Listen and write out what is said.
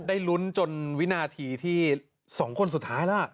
ได้ลุ้นจนวินาทีที่๒คนสุดท้ายแล้ว